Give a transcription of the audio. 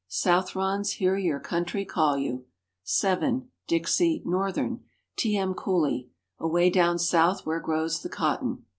"Southrons, hear your country call you." (7) Dixie (Northern). T. M. Cooley. "Away down South where grows the cotton."